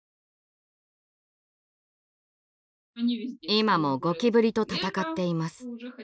今もゴキブリと戦っています。